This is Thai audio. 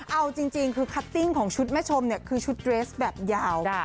เอาจริงคือคัตติ้งของชุดแม่ชมเนี่ยคือชุดเรสแบบยาว